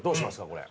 これ。